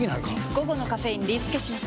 午後のカフェインリスケします！